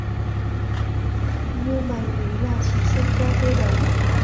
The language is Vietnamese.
Nhưng mày Nhớ là chỉ xem qua thôi đấy